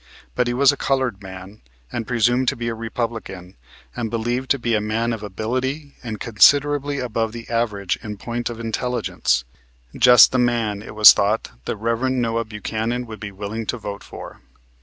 But he was a colored man, and presumed to be a Republican, and believed to be a man of ability and considerably above the average in point of intelligence; just the man, it was thought, the Rev. Noah Buchanan would be willing to vote for.